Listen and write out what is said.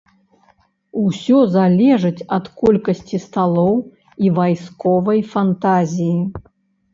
Усё залежыць ад колькасці сталоў і вайсковай фантазіі.